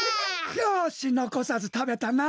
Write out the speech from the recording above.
よしのこさずたべたな。